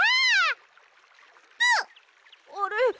あれ？